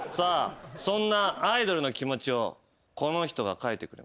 そんなアイドルの気持ちをこの人が書いてくれました。